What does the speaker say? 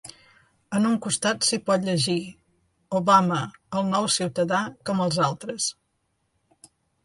En un costat si pot llegir: ‘Obama, el nou ciutadà com els altres’.